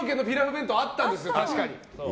弁当あったんですよ、確かに。